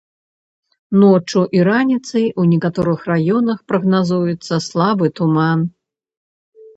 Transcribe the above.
Ноччу і раніцай у некаторых раёнах прагназуецца слабы туман.